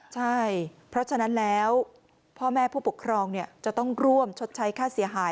ใช่เพราะฉะนั้นแล้วพ่อแม่ผู้ปกครองจะต้องร่วมชดใช้ค่าเสียหาย